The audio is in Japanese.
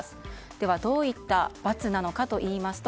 ではどういった罰なのかというと